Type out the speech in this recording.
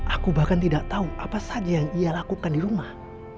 aku bahkan tidak tahu apa saja yang ia lakukan di rumah